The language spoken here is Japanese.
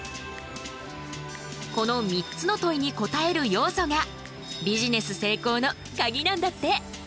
この３つの問いに答える要素がビジネス成功のカギなんだって。